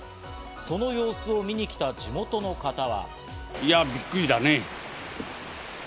その様子を見に来た地元の方は。